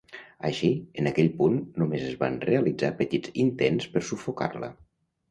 Així, en aquell punt només es van realitzar petits intents per sufocar-la.